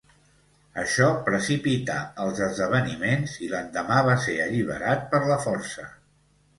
Això precipità els esdeveniments i l'endemà va ser alliberat per la força.